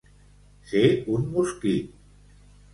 Ser un mosquit.